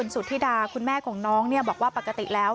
สุธิดาคุณแม่ของน้องบอกว่าปกติแล้ว